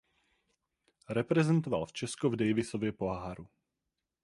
Reprezentoval Česko v Davisově poháru.